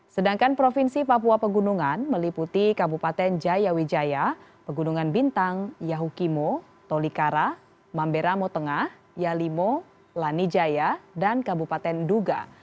sedangkan provinsi papua pegunungan meliputi kabupaten jaya wijaya pegunungan bintang yahukimo tolikara mambera motengah yalimo lani jaya dan kabupaten duga